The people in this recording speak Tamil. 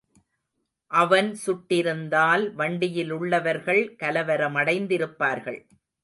அவன் சுட்டிருந்தால், வண்டியிலுள்ளவர்கள் கலவரமடைத்திருப்பார்கள்.